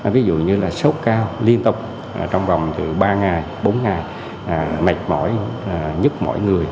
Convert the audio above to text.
ví dụ như là sốt cao liên tục trong vòng từ ba ngày bốn ngày mệt mỏi nhất mỗi người